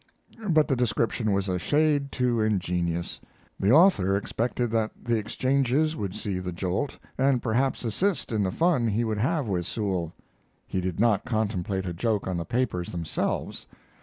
But the description was a shade too ingenious. The author expected that the exchanges would see the jolt and perhaps assist in the fun he would have with Sewall. He did not contemplate a joke on the papers themselves.